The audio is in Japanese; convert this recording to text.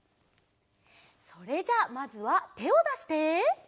それじゃあまずはてをだして。